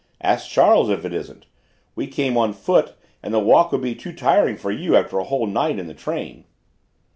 "Ask Charles if it isn't. We came on foot and the walk would be too tiring for you after a whole night in the train."